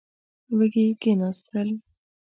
وږي کېناستل.